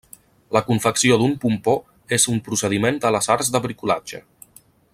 La confecció d'un pompó és un procediment de les arts de bricolatge.